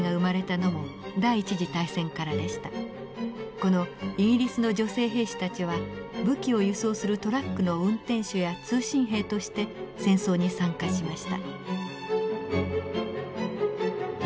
このイギリスの女性兵士たちは武器を輸送するトラックの運転手や通信兵として戦争に参加しました。